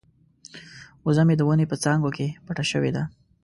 وزه مې د ونې په څانګو کې پټه شوې ده.